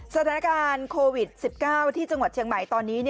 สถานการณ์โควิด๑๙ที่จังหวัดเชียงใหม่ตอนนี้